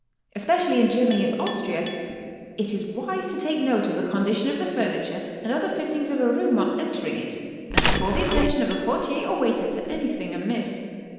Especially in Germany and Austria is it wise to take note of the condition of the furniture and other fittings of a room on entering it, and to call the atten tion of the portier or waiter to anything amiss.